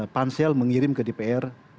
pansel mengirim ke dpr